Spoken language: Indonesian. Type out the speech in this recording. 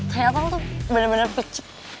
ternyata lo tuh bener bener picit